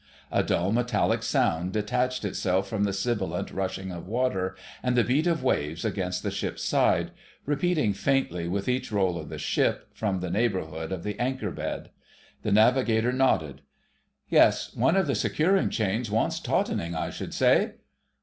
A dull metallic sound detached itself from the sibilant rushing of water and the beat of waves against the ship's side, repeating faintly with each roll of the ship from the neighbourhood of the anchor bed. The Navigator nodded: "Yes, ... one of the securing chains wants tautening, I should say.